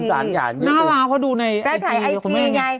น่าวาเพราะดูในไอทีนะคุณแม่ง